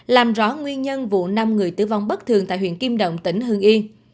làm rõ nguyên nhân vụ năm người tử vong bất thường tại huyện kim động tỉnh hương yên